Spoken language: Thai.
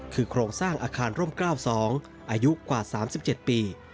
คือโครงสร้างอาคารร่ม๙๒อายุกว่า๓๗ปี